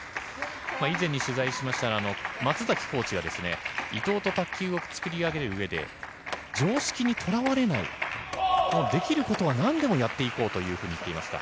以前に取材しましたが松崎コーチは伊藤と卓球を作り上げるうえで常識にとらわれないできることはなんでもやっていこうと言っていました。